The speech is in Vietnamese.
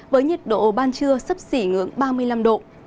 với nhiệt độ ban trưa sấp xỉ ngưỡng ba mươi năm độ